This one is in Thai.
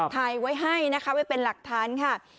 ถ่ายไว้ให้นะคะไว้เป็นหลักฐานค่ะ